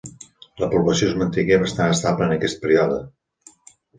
La població es mantingué bastant estable en aquest període.